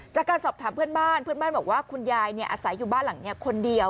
จากการสอบถามเพื่อนบ้านเพื่อนบ้านบอกว่าคุณยายอาศัยอยู่บ้านหลังนี้คนเดียว